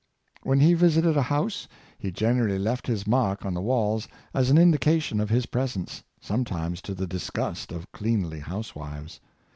When he visited a house he generally left his mark on the walls as an indication of his presence, sometimes to the disgust of cleanly housewives.